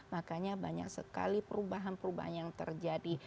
makanya banyak sekali perubahan perubahan yang terjadi